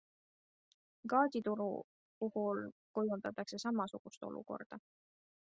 Gaasituru puhul kujundatakse samasugust olukorda.